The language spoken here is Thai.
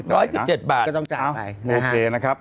ร้อยสิบเจ็ดบาทจะต้องจางไปนะฮะโอเคนะครับ